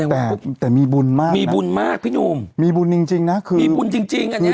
แต่มีบุญมากมีบุญมากพี่หนุ่มมีบุญจริงนะคือมีบุญจริงอันนี้